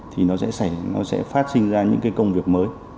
thì nó sẽ phát sinh ra những cái công việc mới